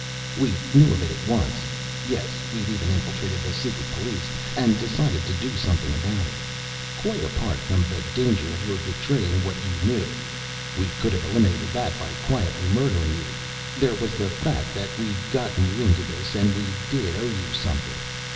We knew of it at once yes, we've even infiltrated the secret police and decided to do something about it. Quite apart from the danger of your betraying what you knew we could have eliminated that by quietly murdering you there was the fact that we'd gotten you into this and did owe you something.